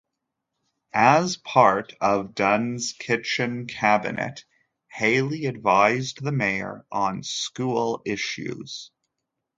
As part of Dunne's "Kitchen Cabinet", Haley advised the mayor on school issues.